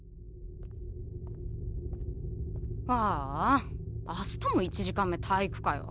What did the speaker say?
ああ明日も１時間目体育かよ。